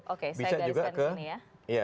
oke saya gariskan ke sini ya